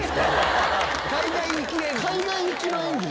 海外行き演技？